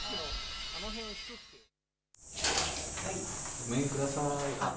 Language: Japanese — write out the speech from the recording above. ごめんください。